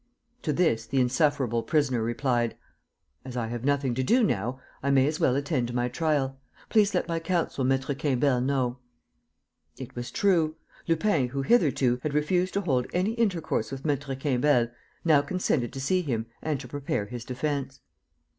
To this the insufferable prisoner replied: "As I have nothing to do now, I may as well attend to my trial. Please let my counsel, Maître Quimbel, know." It was true. Lupin, who, hitherto, had refused to hold any intercourse with Maître Quimbel, now consented to see him and to prepare his defence.